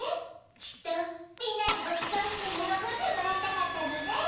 きっとみんなにごちそうしてよろこんでもらいたかったのね。